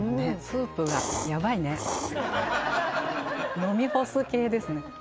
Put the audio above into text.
スープがヤバいね飲み干す系ですね